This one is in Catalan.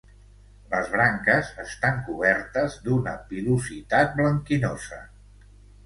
Les branques estan cobertes d'una pilositat blanquinosa.